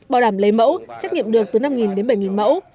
bảo đảm lấy mẫu xét nghiệm được từ năm đến bảy mẫu